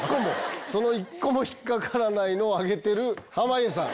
その一個も引っ掛からないのを挙げてる濱家さん。